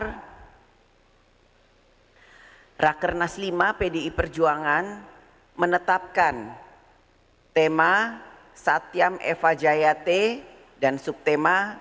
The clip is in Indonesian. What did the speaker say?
hai rakernas v pdi perjuangan menetapkan tema satyam eva jayate dan subtema